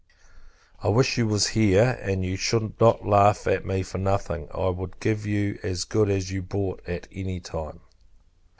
I wish you was here, and you should not laugh at me for nothing. I would give you as good as you brought, at any time.